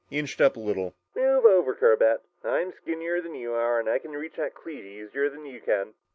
He inched up a little. "Move over, Corbett, I'm skinnier than you are, and I can reach that cleat easier than you can."